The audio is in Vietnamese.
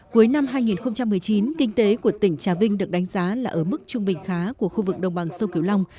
cuối năm hai nghìn một mươi chín kinh tế của tỉnh trà vinh được đánh giá là ở mức trung bình khá của khu vực đồng bằng sông kiều long